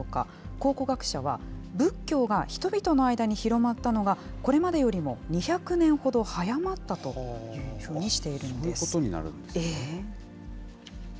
考古学者は、仏教が人々の間に広まったのが、これまでよりも２００年ほど早まったというふうにしているんです。